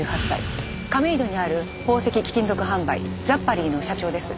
亀戸にある宝石貴金属販売ザッパリーの社長です。